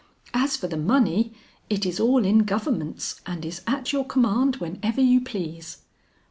"As for the money, it is all in Governments and is at your command whenever you please."